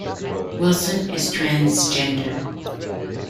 Wilson is transgender.